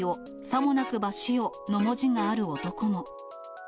さもなくば死を！の文字がある男も。